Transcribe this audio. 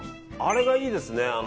あれがいいですね。